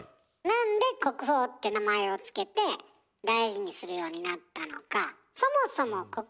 なんで「国宝」って名前を付けて大事にするようになったのか。